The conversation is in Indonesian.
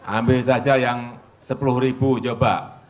ambil saja yang rp sepuluh coba